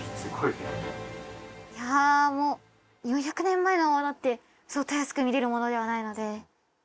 いやあもう４００年前のものってそうたやすく見れるものではないので。